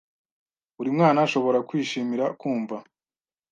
Buri mwana ashobora kwishimira kumva